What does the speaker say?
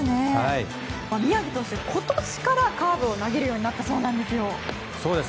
宮城投手、今年からカーブを投げるようになったそうなんです。